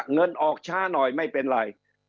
เงินออกช้าหน่อยไม่เป็นไร